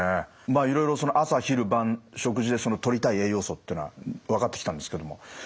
まあいろいろ朝昼晩食事でとりたい栄養素っていうのは分かってきたんですけども